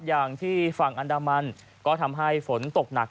อย่างที่ฝั่งอันดามันก็ทำให้ฝนตกหนัก